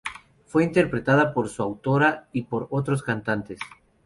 Fue interpretada por su autora y por otros cantantes.